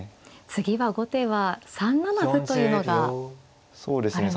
次は後手は３七歩というのがあるんですね。